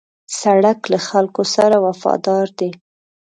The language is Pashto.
سړک له خلکو سره وفادار دی.